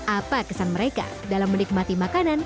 apa kesan mereka dalam menikmati makanan